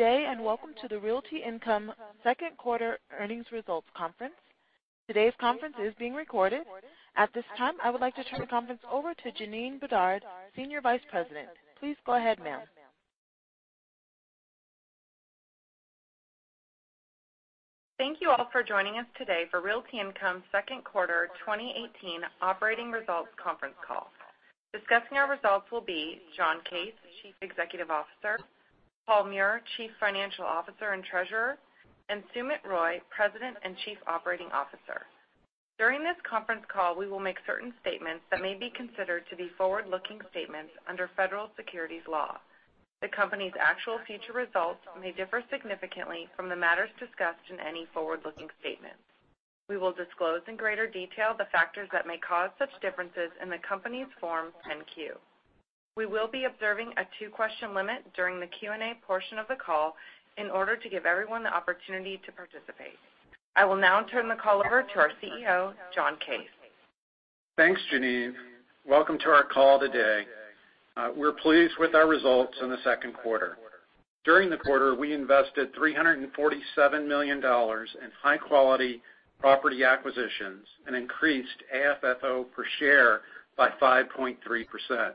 Day, welcome to the Realty Income second quarter earnings results conference. Today's conference is being recorded. At this time, I would like to turn the conference over to Janeen Bedard, Senior Vice President. Please go ahead, ma'am. Thank you all for joining us today for Realty Income second quarter 2018 operating results conference call. Discussing our results will be John Case, Chief Executive Officer, Paul Meurer, Chief Financial Officer and Treasurer, and Sumit Roy, President and Chief Operating Officer. During this conference call, we will make certain statements that may be considered to be forward-looking statements under federal securities law. The company's actual future results may differ significantly from the matters discussed in any forward-looking statements. We will disclose in greater detail the factors that may cause such differences in the company's Form 10-Q. We will be observing a two-question limit during the Q&A portion of the call in order to give everyone the opportunity to participate. I will now turn the call over to our CEO, John Case. Thanks, Jana. Welcome to our call today. We're pleased with our results in the second quarter. During the quarter, we invested $347 million in high-quality property acquisitions and increased AFFO per share by 5.3%.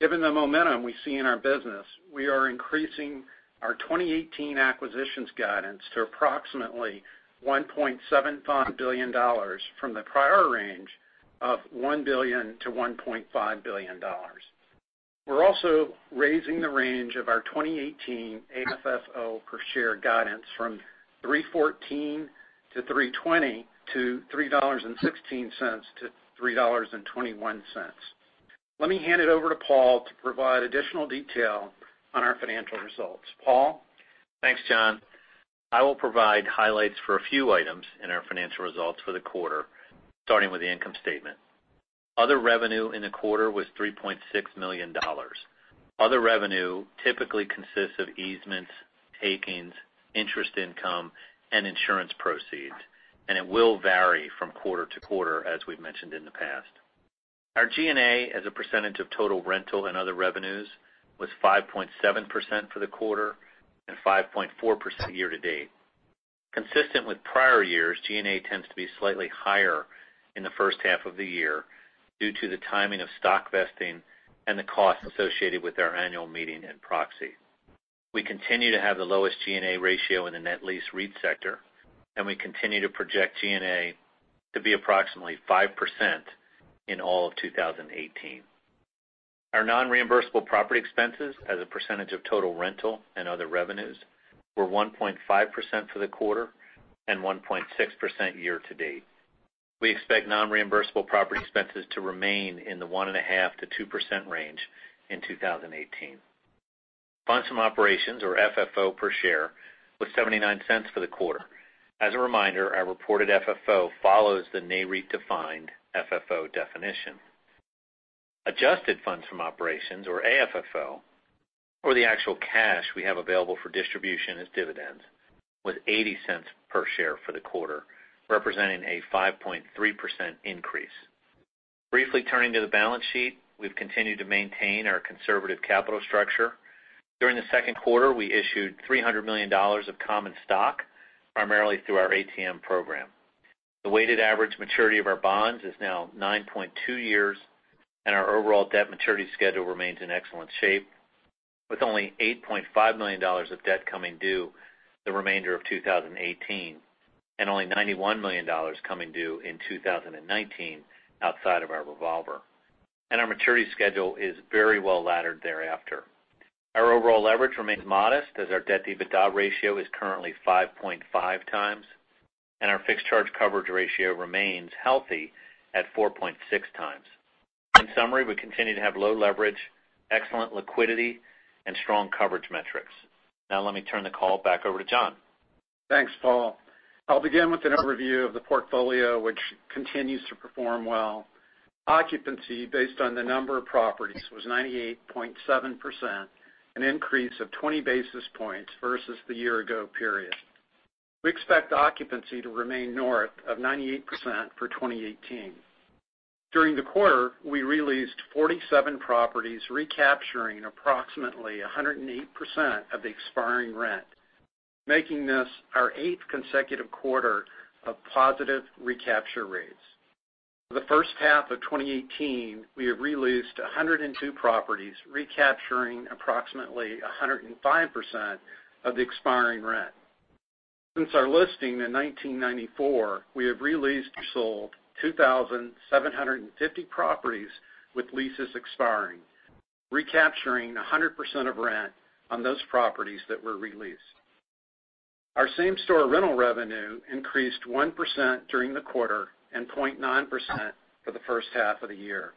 Given the momentum we see in our business, we are increasing our 2018 acquisitions guidance to approximately $1.75 billion from the prior range of $1 billion-$1.5 billion. We're also raising the range of our 2018 AFFO per share guidance from $3.14-$3.20 to $3.16-$3.21. Let me hand it over to Paul to provide additional detail on our financial results. Paul? Thanks, John. I will provide highlights for a few items in our financial results for the quarter, starting with the income statement. Other revenue in the quarter was $3.6 million. Other revenue typically consists of easements, takings, interest income, and insurance proceeds, and it will vary from quarter-to-quarter, as we've mentioned in the past. Our G&A as a percentage of total rental and other revenues was 5.7% for the quarter and 5.4% year-to-date. Consistent with prior years, G&A tends to be slightly higher in the first half of the year due to the timing of stock vesting and the cost associated with our annual meeting and proxy. We continue to have the lowest G&A ratio in the net lease REIT sector, and we continue to project G&A to be approximately 5% in all of 2018. Our non-reimbursable property expenses as a percentage of total rental and other revenues were 1.5% for the quarter and 1.6% year-to-date. We expect non-reimbursable property expenses to remain in the 1.5%-2% range in 2018. Funds from operations, or FFO, per share was $0.79 for the quarter. As a reminder, our reported FFO follows the Nareit-defined FFO definition. Adjusted funds from operations, or AFFO, or the actual cash we have available for distribution as dividends, was $0.80 per share for the quarter, representing a 5.3% increase. Briefly turning to the balance sheet, we've continued to maintain our conservative capital structure. During the second quarter, we issued $300 million of common stock, primarily through our ATM program. The weighted average maturity of our bonds is now 9.2 years, our overall debt maturity schedule remains in excellent shape, with only $8.5 million of debt coming due the remainder of 2018, and only $91 million coming due in 2019 outside of our revolver. Our maturity schedule is very well laddered thereafter. Our overall leverage remains modest, as our debt-to-EBITDA ratio is currently 5.5 times, and our fixed charge coverage ratio remains healthy at 4.6 times. In summary, we continue to have low leverage, excellent liquidity, and strong coverage metrics. Now let me turn the call back over to John. Thanks, Paul. I'll begin with an overview of the portfolio, which continues to perform well. Occupancy, based on the number of properties, was 98.7%, an increase of 20 basis points versus the year-ago period. We expect occupancy to remain north of 98% for 2018. During the quarter, we re-leased 47 properties, recapturing approximately 108% of the expiring rent, making this our eighth consecutive quarter of positive recapture rates. For the first half of 2018, we have re-leased 102 properties, recapturing approximately 105% of the expiring rent. Since our listing in 1994, we have re-leased or sold 2,750 properties with leases expiring, recapturing 100% of rent on those properties that were re-leased. Our same-store rental revenue increased 1% during the quarter and 0.9% for the first half of the year.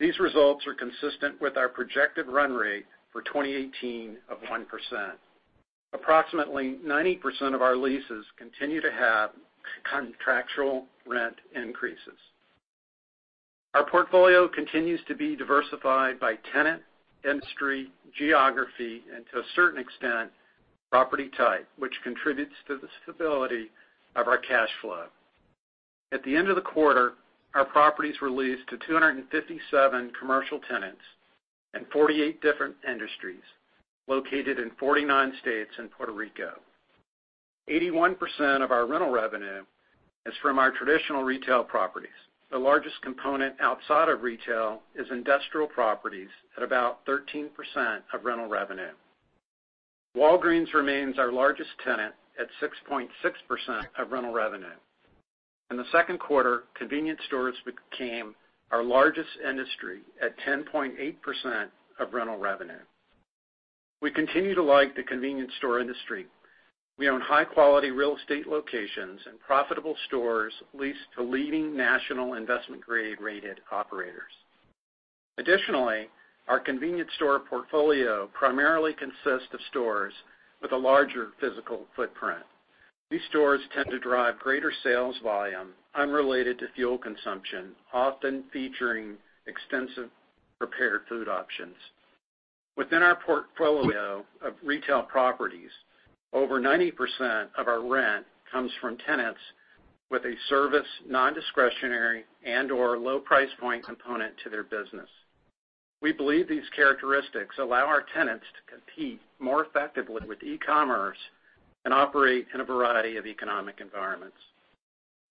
These results are consistent with our projected run rate for 2018 of 1%. Approximately 90% of our leases continue to have contractual rent increases. Our portfolio continues to be diversified by tenant, industry, geography, and to a certain extent, property type, which contributes to the stability of our cash flow. At the end of the quarter, our properties were leased to 257 commercial tenants in 48 different industries located in 49 states and Puerto Rico. 81% of our rental revenue is from our traditional retail properties. The largest component outside of retail is industrial properties at about 13% of rental revenue. Walgreens remains our largest tenant at 6.6% of rental revenue. In the second quarter, convenience stores became our largest industry at 10.8% of rental revenue. We continue to like the convenience store industry. We own high-quality real estate locations and profitable stores leased to leading national investment grade-rated operators. Additionally, our convenience store portfolio primarily consists of stores with a larger physical footprint. These stores tend to drive greater sales volume unrelated to fuel consumption, often featuring extensive prepared food options. Within our portfolio of retail properties, over 90% of our rent comes from tenants with a service, non-discretionary, and/or low price point component to their business. We believe these characteristics allow our tenants to compete more effectively with e-commerce and operate in a variety of economic environments.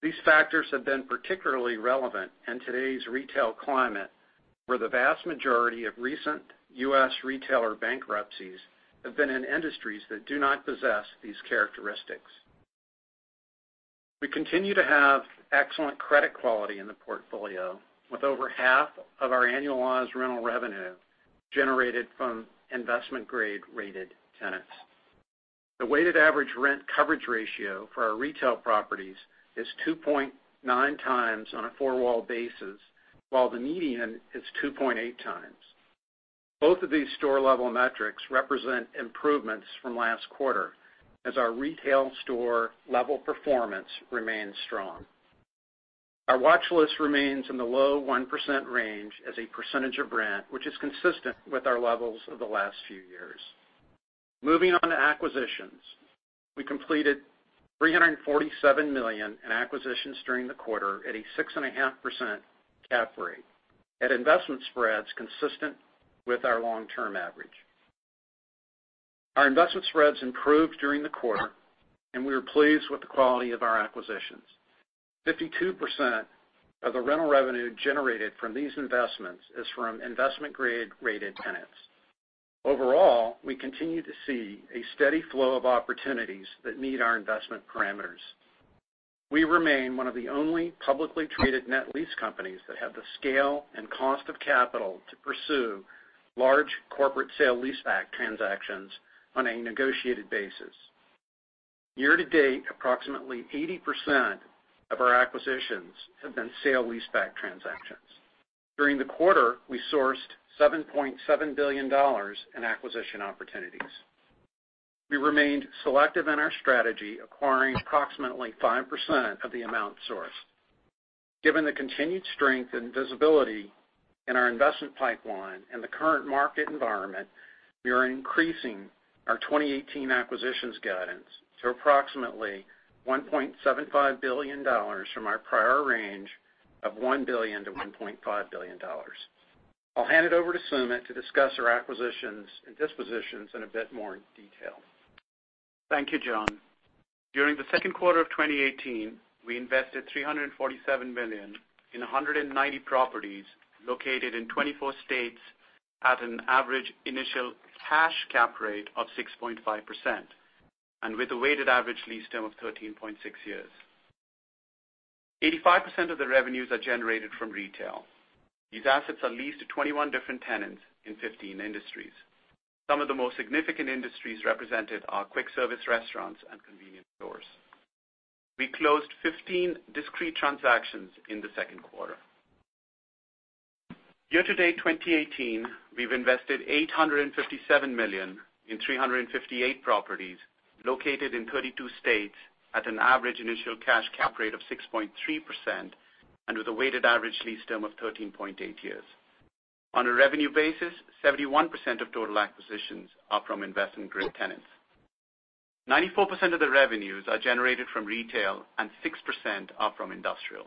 These factors have been particularly relevant in today's retail climate, where the vast majority of recent U.S. retailer bankruptcies have been in industries that do not possess these characteristics. We continue to have excellent credit quality in the portfolio with over half of our annualized rental revenue generated from investment grade-rated tenants. The weighted average rent coverage ratio for our retail properties is 2.9 times on a four-wall basis, while the median is 2.8 times. Both of these store-level metrics represent improvements from last quarter as our retail store-level performance remains strong. Our watchlist remains in the low 1% range as a percentage of rent, which is consistent with our levels over the last few years. Moving on to acquisitions. We completed $347 million in acquisitions during the quarter at a 6.5% cap rate at investment spreads consistent with our long-term average. Our investment spreads improved during the quarter, and we are pleased with the quality of our acquisitions. 52% of the rental revenue generated from these investments is from investment grade-rated tenants. Overall, we continue to see a steady flow of opportunities that meet our investment parameters. We remain one of the only publicly traded net lease companies that have the scale and cost of capital to pursue large corporate sale-leaseback transactions on a negotiated basis. Year to date, approximately 80% of our acquisitions have been sale-leaseback transactions. During the quarter, we sourced $7.7 billion in acquisition opportunities. We remained selective in our strategy, acquiring approximately 5% of the amount sourced. Given the continued strength and visibility in our investment pipeline and the current market environment, we are increasing our 2018 acquisitions guidance to approximately $1.75 billion from our prior range of $1 billion-$1.5 billion. I'll hand it over to Sumit Roy to discuss our acquisitions and dispositions in a bit more detail. Thank you, John. During the second quarter of 2018, we invested $347 million in 190 properties located in 24 states at an average initial cash cap rate of 6.5%, and with a weighted average lease term of 13.6 years. 85% of the revenues are generated from retail. These assets are leased to 21 different tenants in 15 industries. Some of the most significant industries represented are quick service restaurants and convenience stores. We closed 15 discrete transactions in the second quarter. Year to date 2018, we've invested $857 million in 358 properties located in 32 states at an average initial cash cap rate of 6.3%, and with a weighted average lease term of 13.8 years. On a revenue basis, 71% of total acquisitions are from investment-grade tenants. 94% of the revenues are generated from retail and 6% are from industrial.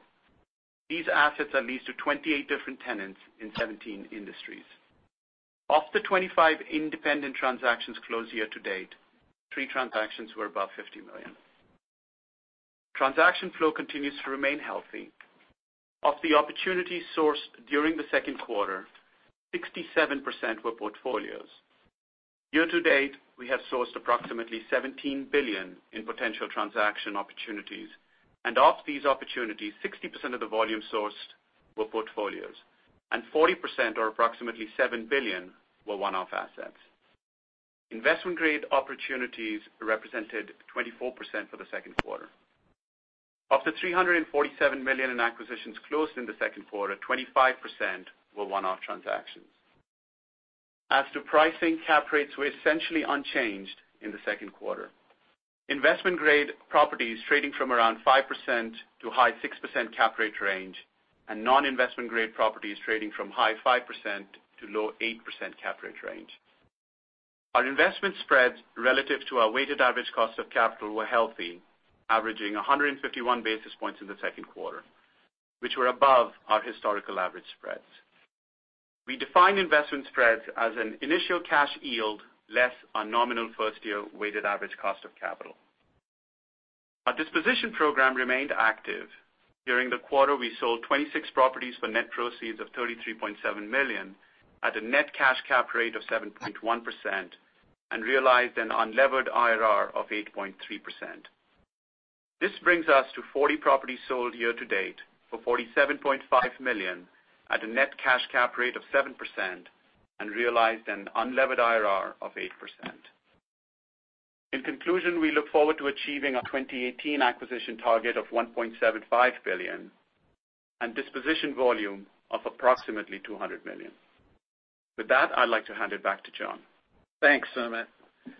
These assets are leased to 28 different tenants in 17 industries. Of the 25 independent transactions closed year to date, three transactions were above $50 million. Transaction flow continues to remain healthy. Of the opportunities sourced during the second quarter, 67% were portfolios. Year to date, we have sourced approximately $17 billion in potential transaction opportunities, of these opportunities, 60% of the volume sourced were portfolios, and 40%, or approximately $7 billion, were one-off assets. Investment-grade opportunities represented 24% for the second quarter. Of the $347 million in acquisitions closed in the second quarter, 25% were one-off transactions. As to pricing, cap rates were essentially unchanged in the second quarter. Investment-grade properties trading from around 5% to high 6% cap rate range, and non-investment grade properties trading from high 5% to low 8% cap rate range. Our investment spreads relative to our weighted average cost of capital were healthy, averaging 151 basis points in the second quarter, which were above our historical average spreads. We define investment spreads as an initial cash yield less a nominal first-year weighted average cost of capital. Our disposition program remained active. During the quarter, we sold 26 properties for net proceeds of $33.7 million at a net cash cap rate of 7.1% and realized an unlevered IRR of 8.3%. This brings us to 40 properties sold year-to-date for $47.5 million at a net cash cap rate of 7% and realized an unlevered IRR of 8%. In conclusion, we look forward to achieving our 2018 acquisition target of $1.75 billion and disposition volume of approximately $200 million. With that, I'd like to hand it back to John. Thanks, Sumit.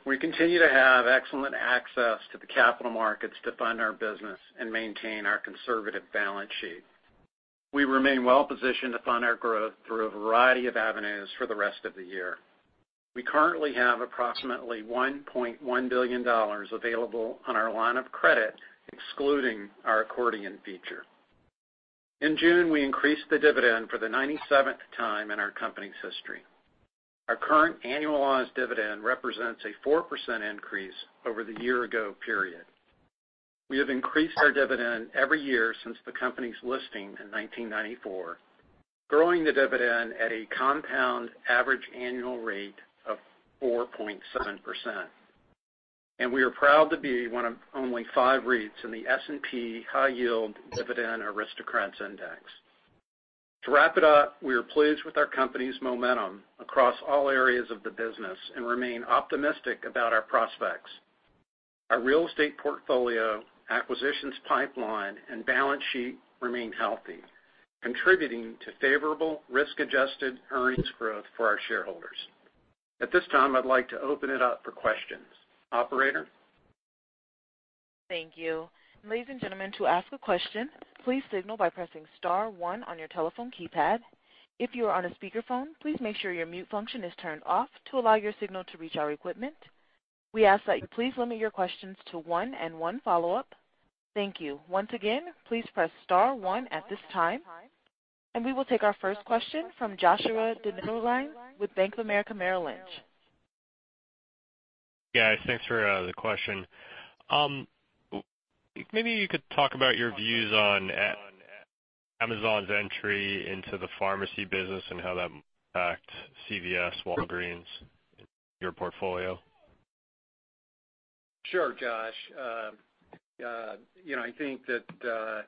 We continue to have excellent access to the capital markets to fund our business and maintain our conservative balance sheet. We remain well-positioned to fund our growth through a variety of avenues for the rest of the year. We currently have approximately $1.1 billion available on our line of credit, excluding our accordion feature. In June, we increased the dividend for the 97th time in our company's history. Our current annualized dividend represents a 4% increase over the year-ago period. We have increased our dividend every year since the company's listing in 1994, growing the dividend at a compound average annual rate of 4.7%. We are proud to be one of only five REITs in the S&P High Yield Dividend Aristocrats Index. To wrap it up, we are pleased with our company's momentum across all areas of the business and remain optimistic about our prospects. Our real estate portfolio, acquisitions pipeline, and balance sheet remain healthy, contributing to favorable risk-adjusted earnings growth for our shareholders. At this time, I'd like to open it up for questions. Operator? Thank you. Ladies and gentlemen, to ask a question, please signal by pressing *1 on your telephone keypad. If you are on a speakerphone, please make sure your mute function is turned off to allow your signal to reach our equipment. We ask that you please limit your questions to one and one follow-up. Thank you. Once again, please press *1 at this time, we will take our first question from Joshua Dennerlein with Bank of America Merrill Lynch. Yeah, thanks for the question. Maybe you could talk about your views on Amazon's entry into the pharmacy business and how that impacts CVS, Walgreens, your portfolio. Sure, Josh. I think that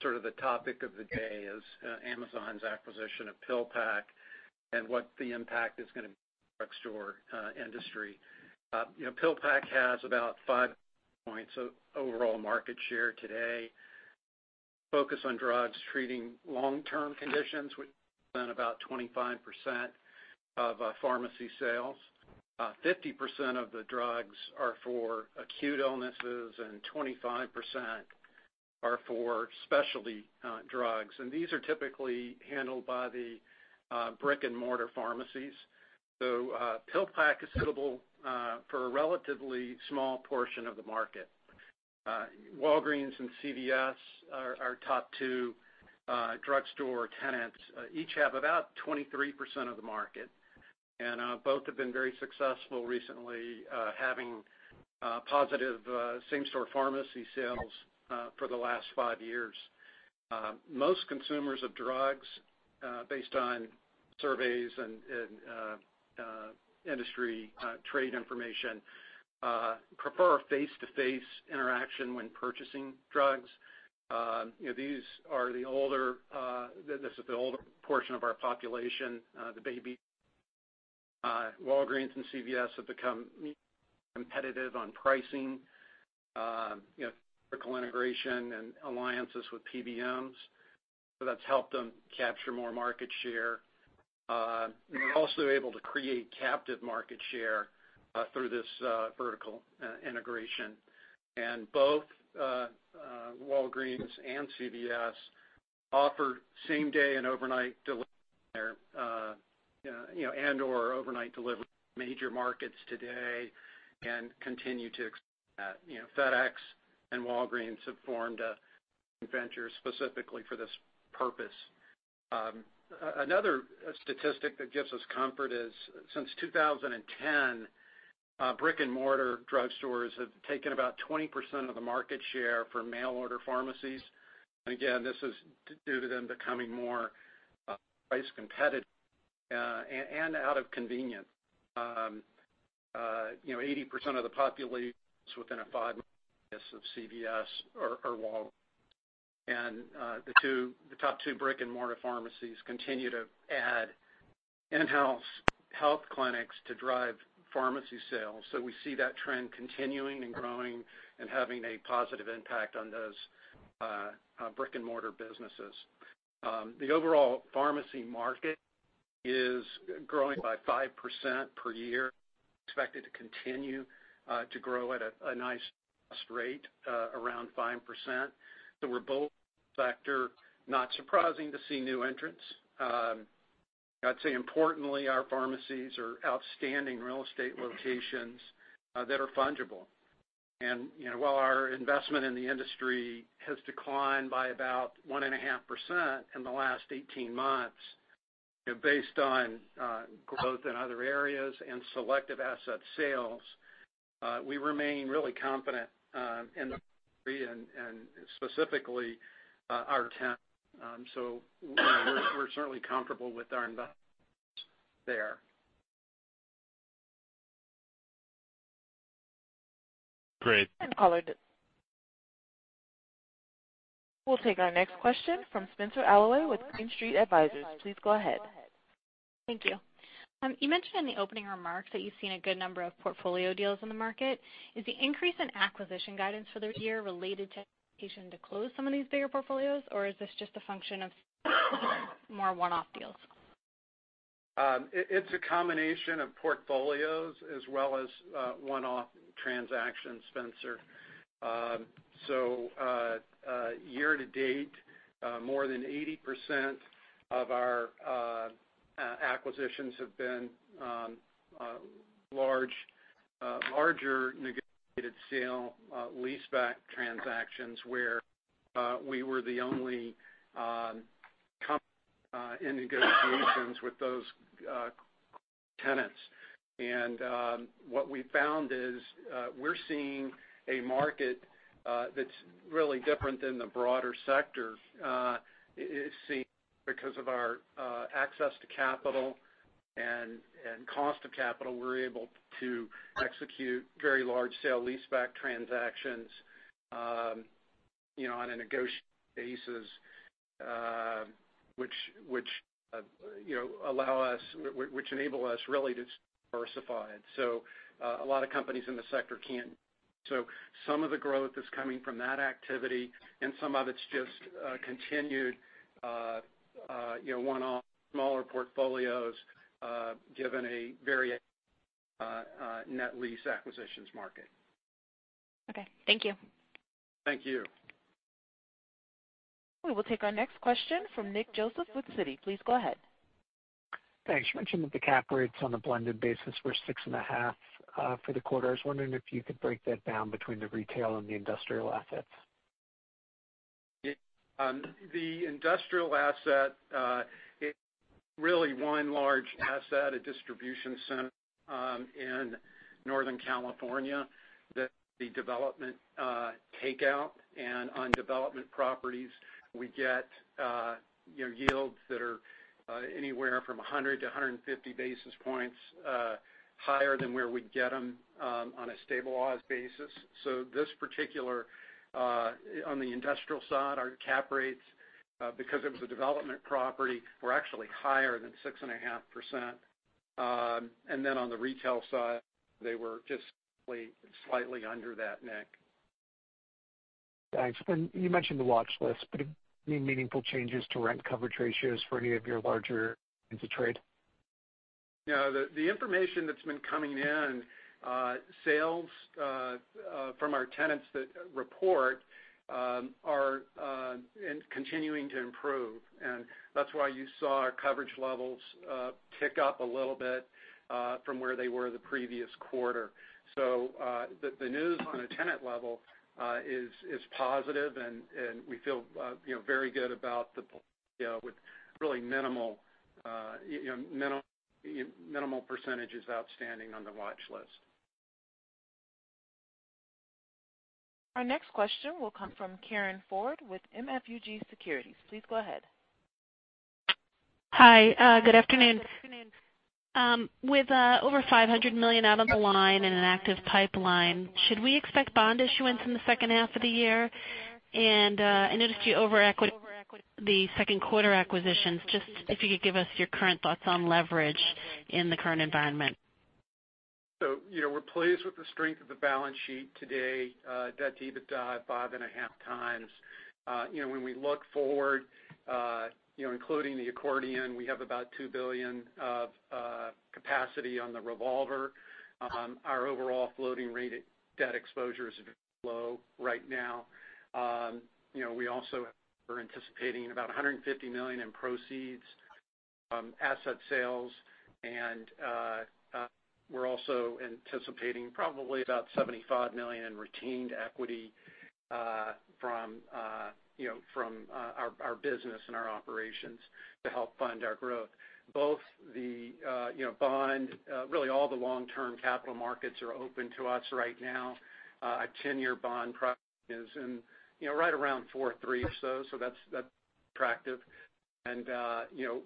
sort of the topic of the day is Amazon's acquisition of PillPack and what the impact is going to be on the drugstore industry. PillPack has about five points of overall market share today. Focus on drugs treating long-term conditions, which have been about 25% of pharmacy sales. 50% of the drugs are for acute illnesses, 25% are for specialty drugs. These are typically handled by the brick-and-mortar pharmacies. PillPack is suitable for a relatively small portion of the market. Walgreens and CVS are our top two drugstore tenants. Each have about 23% of the market, both have been very successful recently having positive same-store pharmacy sales for the last five years. Most consumers of drugs, based on surveys and industry trade information, prefer face-to-face interaction when purchasing drugs. This is the older portion of our population, the baby. Walgreens and CVS have become competitive on pricing, vertical integration, and alliances with PBMs. That's helped them capture more market share. They're also able to create captive market share through this vertical integration. Both Walgreens and CVS offer same-day and overnight delivery, and/or overnight delivery to major markets today and continue to expand that. FedEx and Walgreens have formed a venture specifically for this purpose. Another statistic that gives us comfort is since 2010, brick-and-mortar drugstores have taken about 20% of the market share from mail-order pharmacies. Again, this is due to them becoming more price competitive and out of convenience. 80% of the population is within a five-mile radius of CVS or Walgreens. The top two brick-and-mortar pharmacies continue to add in-house health clinics to drive pharmacy sales. We see that trend continuing and growing and having a positive impact on those brick-and-mortar businesses. The overall pharmacy market is growing by 5% per year, expected to continue to grow at a nice rate around 5%. Not surprising to see new entrants. I'd say importantly, our pharmacies are outstanding real estate locations that are fungible. While our investment in the industry has declined by about 1.5% in the last 18 months, based on growth in other areas and selective asset sales, we remain really confident in the and specifically our tenant. We're certainly comfortable with our investments there. Great. We'll take our next question from Spencer Allaway with Green Street Advisors. Please go ahead. Thank you. You mentioned in the opening remarks that you've seen a good number of portfolio deals in the market. Is the increase in acquisition guidance for the year related to expectation to close some of these bigger portfolios, or is this just a function of more one-off deals? It's a combination of portfolios as well as one-off transactions, Spencer. Year to date, more than 80% of our acquisitions have been larger negotiated sale-leaseback transactions where we were the only company in negotiations with those tenants. What we've found is, we're seeing a market that's really different than the broader sector. It seems because of our access to capital and cost of capital, we're able to execute very large sale-leaseback transactions on a negotiated basis which enable us really to diversify. A lot of companies in the sector can't. Some of the growth is coming from that activity and some of it's just continued one-off smaller portfolios given a very net lease acquisitions market. Okay. Thank you. Thank you. We will take our next question from Nick Joseph with Citi. Please go ahead. Thanks. You mentioned that the cap rates on a blended basis were 6.5% for the quarter. I was wondering if you could break that down between the retail and the industrial assets. The industrial asset, it's really one large asset, a distribution center in Northern California that the development takeout and on development properties, we get yields that are anywhere from 100-150 basis points higher than where we'd get them on a stabilized basis. This particular, on the industrial side, our cap rates, because it was a development property, were actually higher than 6.5%. Then on the retail side, they were just slightly under that, Nick. Thanks. You mentioned the watch list, any meaningful changes to rent coverage ratios for any of your larger trades? No. The information that's been coming in, sales from our tenants that report are continuing to improve, that's why you saw our coverage levels tick up a little bit from where they were the previous quarter. The news on a tenant level is positive and we feel very good about the portfolio with really minimal percentages outstanding on the watch list. Our next question will come from Karin Ford with MUFG Securities. Please go ahead. Hi. Good afternoon. With over $500 million out of the line in an active pipeline, should we expect bond issuance in the second half of the year? I noticed you over-equitied the second quarter acquisitions. Just if you could give us your current thoughts on leverage in the current environment. We're pleased with the strength of the balance sheet today, debt to EBITDA at 5.5 times. When we look forward, including the accordion, we have about $2 billion of capacity on the revolver. Our overall floating-rate debt exposure is very low right now. We also are anticipating about $150 million in proceeds from asset sales, and we're also anticipating probably about $75 million in retained equity from our business and our operations to help fund our growth. Both the bond, really all the long-term capital markets are open to us right now. A 10-year bond probably is in right around 4.3% or so that's attractive. At the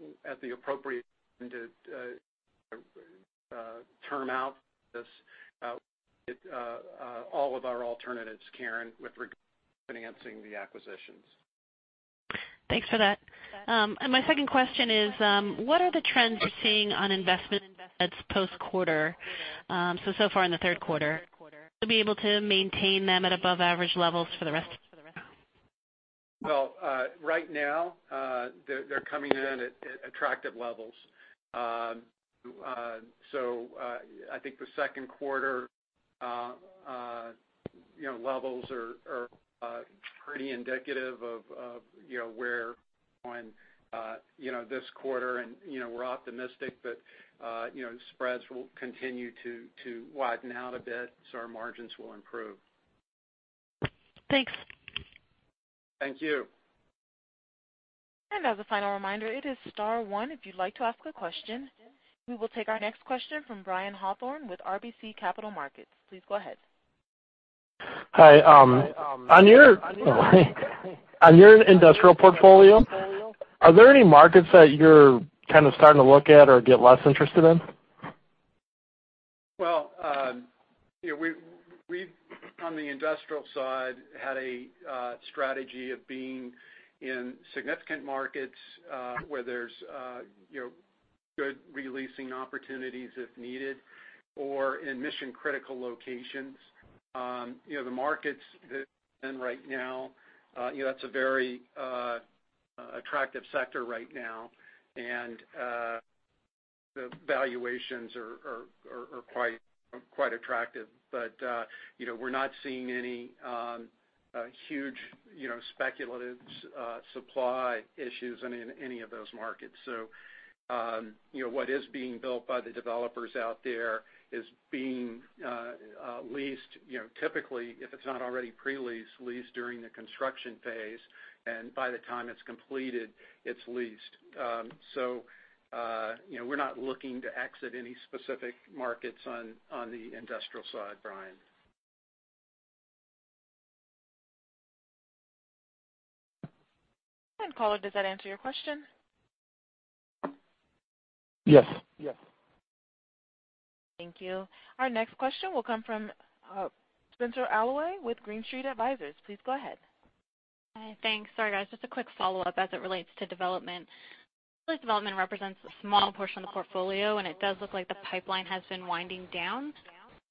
appropriate time to term out this, all of our alternatives, Karin, with regard to financing the acquisitions. Thanks for that. My second question is, what are the trends you're seeing on investment spreads post-quarter, so far in the third quarter? Will you be able to maintain them at above average levels for the rest of the year? Right now, they're coming in at attractive levels. I think the second quarter levels are pretty indicative of where on this quarter, and we're optimistic that spreads will continue to widen out a bit, so our margins will improve. Thanks. Thank you. As a final reminder, it is star one if you'd like to ask a question. We will take our next question from Brad Heffern with RBC Capital Markets. Please go ahead. Hi. On your industrial portfolio, are there any markets that you're kind of starting to look at or get less interested in? Well, we've, on the industrial side, had a strategy of being in significant markets where there's good releasing opportunities if needed or in mission-critical locations. The markets that right now, that's a very attractive sector right now, and the valuations are quite attractive. We're not seeing any huge speculative supply issues in any of those markets. What is being built by the developers out there is being leased. Typically, if it's not already pre-leased, leased during the construction phase, and by the time it's completed, it's leased. We're not looking to exit any specific markets on the industrial side, Brad. Caller, does that answer your question? Yes. Thank you. Our next question will come from Spencer Allaway with Green Street Advisors. Please go ahead. Hi. Thanks. Sorry, guys, just a quick follow-up as it relates to development. This development represents a small portion of the portfolio, and it does look like the pipeline has been winding down.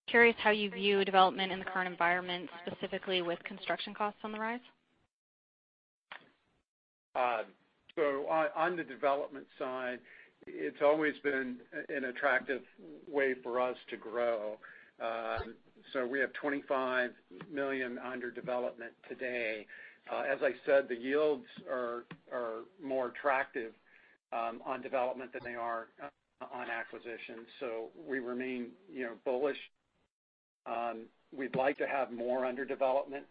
Curious how you view development in the current environment, specifically with construction costs on the rise. On the development side, it's always been an attractive way for us to grow. We have 25 million under development today. As I said, the yields are more attractive on development than they are on acquisition. We remain bullish. We'd like to have more under development,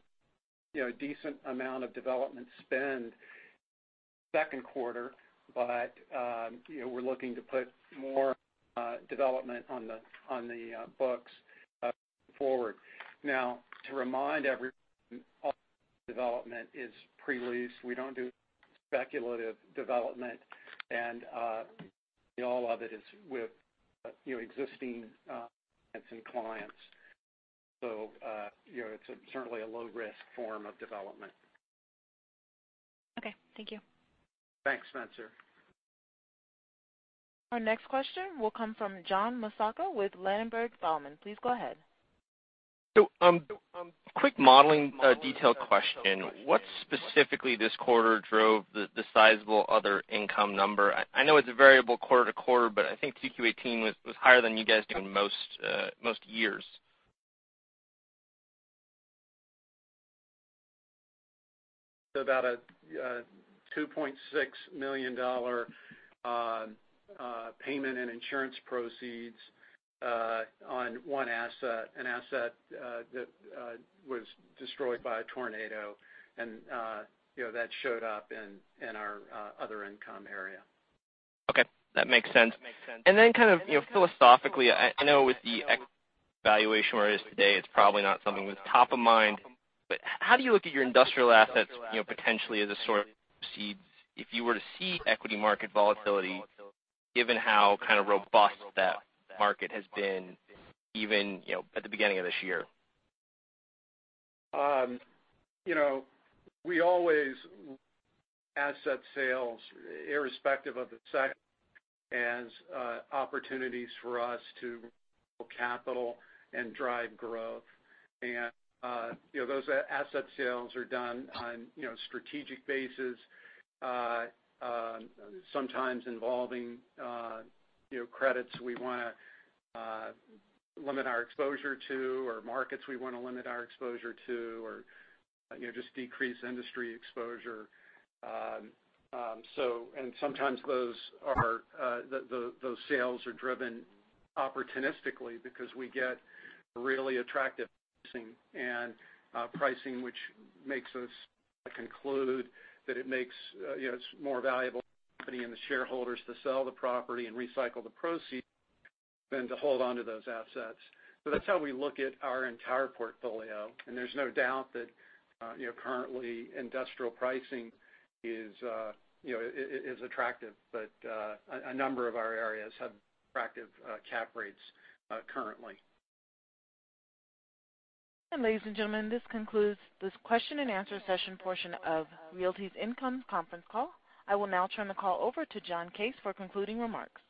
a decent amount of development spend second quarter, but we're looking to put more development on the books forward. Now, to remind everyone, all development is pre-leased. We don't do speculative development, and all of it is with existing tenants and clients. It's certainly a low-risk form of development. Okay. Thank you. Thanks, Spencer. Our next question will come from John Massocca with Ladenburg Thalmann. Please go ahead. Quick modeling detail question. What specifically this quarter drove the sizable other income number? I know it's a variable quarter to quarter, but I think Q2 2018 was higher than you guys do in most years. About a $2.6 million payment in insurance proceeds on one asset, an asset that was destroyed by a tornado, and that showed up in our other income area. Okay. That makes sense. Kind of philosophically, I know with the valuation where it is today, it's probably not something that's top of mind, but how do you look at your industrial assets, potentially as a source of proceeds if you were to see equity market volatility, given how kind of robust that market has been, even at the beginning of this year? We always look at asset sales irrespective of the sector as opportunities for us to grow capital and drive growth. Those asset sales are done on strategic basis, sometimes involving credits we want to limit our exposure to or markets we want to limit our exposure to or just decrease industry exposure. Sometimes those sales are driven opportunistically because we get really attractive pricing, and pricing which makes us conclude that it's more valuable for the company and the shareholders to sell the property and recycle the proceeds than to hold onto those assets. That's how we look at our entire portfolio, and there's no doubt that currently industrial pricing is attractive, but a number of our areas have attractive cap rates currently. Ladies and gentlemen, this concludes this question and answer session portion of Realty Income's Conference Call. I will now turn the call over to John Case for concluding remarks.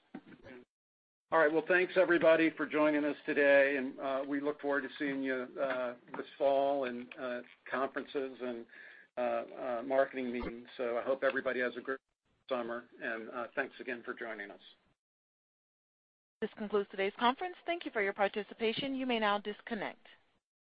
All right. Well, thanks everybody for joining us today. We look forward to seeing you this fall in conferences and marketing meetings. I hope everybody has a great summer, and thanks again for joining us. This concludes today's conference. Thank you for your participation. You may now disconnect.